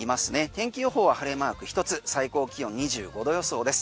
天気予報は晴れマーク１つ最高気温２５度予想です。